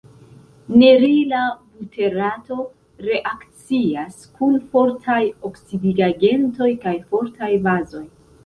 Nerila buterato reakcias kun fortaj oksidigagentoj kaj fortaj bazoj.